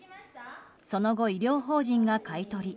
その後、医療法人が買い取り